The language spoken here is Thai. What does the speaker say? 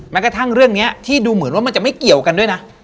กระทั่งเรื่องนี้ที่ดูเหมือนว่ามันจะไม่เกี่ยวกันด้วยนะ